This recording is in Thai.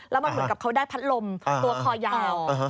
แล้วมันเหมือนกับเขาได้พัดลมตัวคอยาว